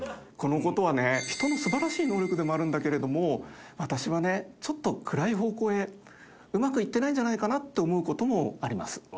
この事はね人の素晴らしい能力でもあるんだけれども私はねちょっと暗い方向へうまくいってないんじゃないかなって思う事もあります。